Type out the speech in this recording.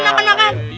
iya pak ji